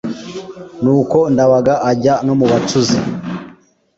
Nuko Ndabaga ajya no mu bacuzi